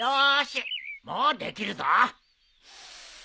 もうできるぞ。